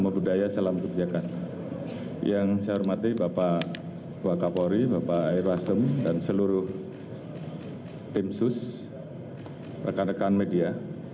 bapak ibu polri bapak airwasem dan seluruh tim sus rekan rekan media